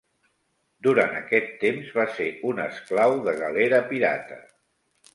Durant aquest temps va ser un esclau de galera pirata.